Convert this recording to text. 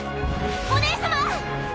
お姉様！